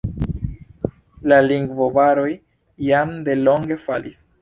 La lingvobaroj jam delonge falis.